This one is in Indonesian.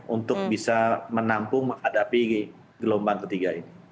untuk bisa menampung menghadapi gelombang ketiga ini